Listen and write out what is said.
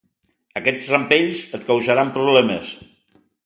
Aquests rampells et causaran problemes.